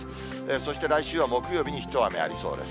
そして、来週は木曜日に一雨ありそうです。